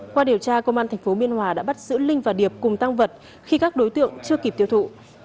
qua điều tra công an tp biên hòa đã bắt giữ linh và điệp cùng tăng vật khi các đối tượng chưa kịp tiêu thụ